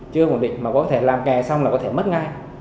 chưa ổn định mà có thể làm kè xong là có thể mất ngay